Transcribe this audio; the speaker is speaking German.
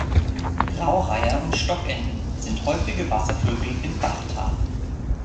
Graureiher und Stockenten sind häufige Wasservögel im Bachtal.